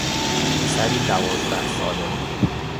پسری دوازده ساله